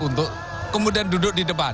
untuk kemudian duduk di depan